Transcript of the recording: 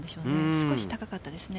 少し高かったですね。